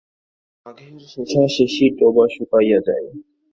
মাঘের শেষাশেষি ডোবা শুকাইয়া যায়।